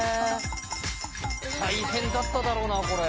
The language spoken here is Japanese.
大変だっただろうなこれ。